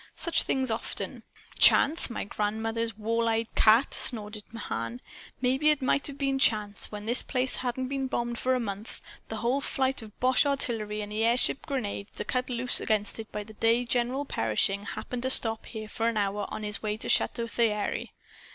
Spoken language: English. Such things often " "Chance, my grandmother's wall eyed cat!" snorted Mahan. "Maybe it might have been chance when this place hadn't been bombed for a month for a whole flight of boche artillery and airship grenades to cut loose against it the day General Pershing happened to stop here for an hour on his way to Chateau Thierry.